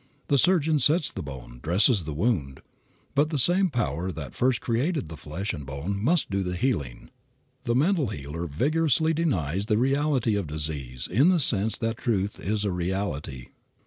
The surgeon sets the bone, dresses the wound, but the same Power that first created the flesh and bone must do the healing. The mental healer vigorously denies the reality of disease in the sense that truth is a reality.